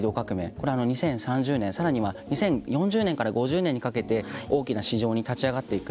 これは２０３０年、さらには２０４０年から５０年にかけて大きな市場に立ち上がっていく。